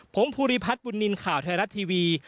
ผมภูริพัฒน์บุญนินทร์ข่าวไทยรัฐทีวี